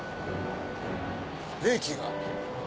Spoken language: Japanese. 冷気が。